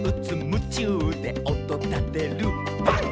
むちゅうでおとたてるパン！」